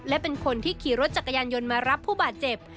และเป็นคนที่ขี่รถจักรยานยนต์มารับผู้บาดเจ็บ